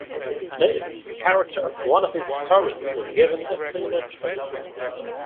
Later, a character of one of his stories was given a similar trait.